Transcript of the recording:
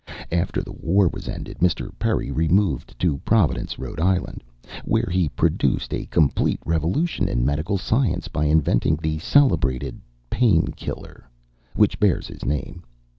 After the war was ended, Mr. Perry removed to Providence, Rhode Island, where he produced a complete revolution in medical science by inventing the celebrated "Pain Killer" which bears his name.